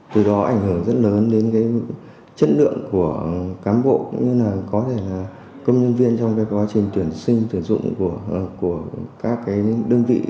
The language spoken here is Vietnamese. từ đó ảnh hưởng rất lớn đến chất lượng của cám bộ cũng như là công nhân viên trong quá trình tuyển sinh tuyển dụng của các đơn vị